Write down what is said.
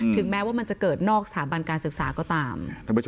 แม้ว่ามันจะเกิดนอกสถาบันการศึกษาก็ตาม